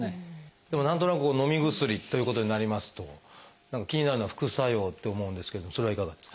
でも何となくのみ薬ということになりますと気になるのは副作用って思うんですけどもそれはいかがですか？